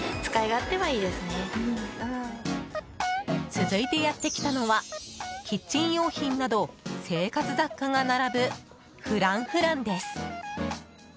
続いてやってきたのはキッチン用品など生活雑貨が並ぶフランフランです。